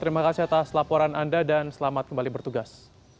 terima kasih atas laporan anda dan selamat kembali bertugas